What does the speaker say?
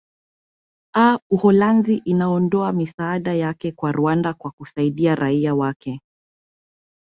a uholanzi inaondoa misaada yake kwa rwanda kwa kusaidia raia wake